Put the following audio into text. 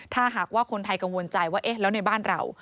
ถ้าหากว่าคนไทยกังวลใจว่าเอ๊ะแล้วในบ้านเรา